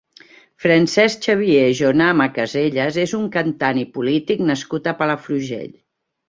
Francesc Xavier Jonama Casellas és un cantant i polític nascut a Palafrugell.